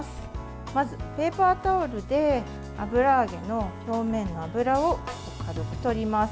まず、ペーパータオルで油揚げの表面の油を軽くとります。